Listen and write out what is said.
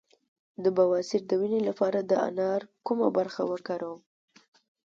د بواسیر د وینې لپاره د انار کومه برخه وکاروم؟